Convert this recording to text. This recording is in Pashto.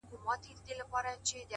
هوښیار انسان له فرصت مخکې چمتو وي,